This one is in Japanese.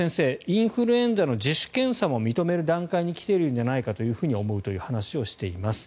インフルエンザの自主検査も認める段階に来ているんじゃないかと思うという話をしています。